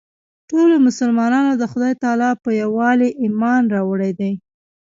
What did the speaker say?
ټولو مسلمانانو د خدای تعلی په یووالي ایمان راوړی دی.